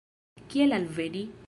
Kiel alveni?